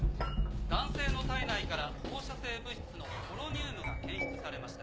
男性の体内から放射性物質のポロニウムが検出されました。